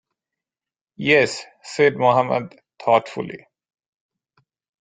“Yes,” said Mohammed thoughtfully.